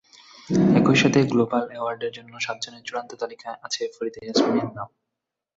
একই সঙ্গে গ্লোবাল অ্যাওয়ার্ডের জন্য সাতজনের চূড়ান্ত তালিকায় আছে ফরিদা ইয়াসমিনের নাম।